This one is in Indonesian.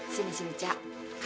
sini sini cak